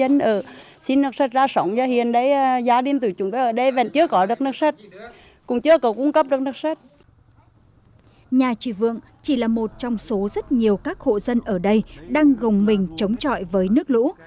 nhà chị vượng chỉ là một trong số rất nhiều các hộ dân ở đây đang gồng mình chống trọi với nước lũ